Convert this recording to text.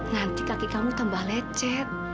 nanti kaki kamu tambah lecet